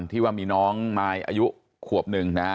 ที่ว่ามีน้องมายอายุ๑ควบ